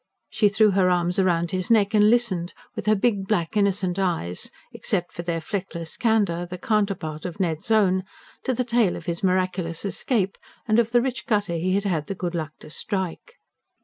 She threw her arms round his neck, and listened, with her big, black, innocent eyes except for their fleckless candour, the counterpart of Ned's own to the tale of his miraculous escape, and of the rich gutter he had had the good luck to strike.